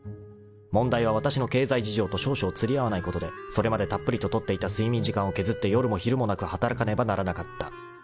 ［問題はわたしの経済事情と少々釣り合わないことでそれまでたっぷりと取っていた睡眠時間を削って夜も昼もなく働かねばならなかった］